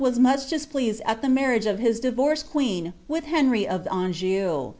waa much displeased at the marriage of his divorced queea r I) iif Anjou.